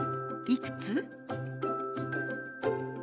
「いくつ？」。